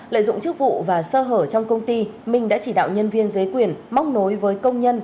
lợi dụng chức vụ và sơ hở trong công ty minh đã chỉ đạo nhân viên giấy quyền móc nối với công nhân